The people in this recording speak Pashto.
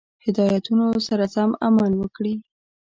هدایتونو سره سم عمل وکړي.